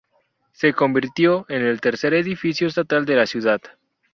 Se convirtió en el tercer edificio estatal de la ciudad.